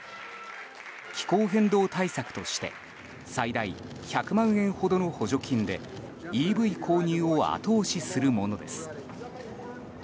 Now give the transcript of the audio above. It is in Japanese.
気候変動対策として最大１００万円ほどの補助金でＥＶ購入を後押しするものです。